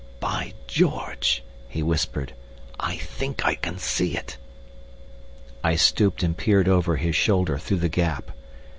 "By George!" he whispered. "I think I can see it!" I stooped and peered over his shoulder through the gap.